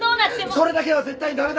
それだけは絶対に駄目だ。